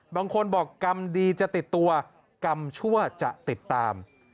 บางคนบอกกรรมดีจะติดตัวกรรมชั่วจะติดตาม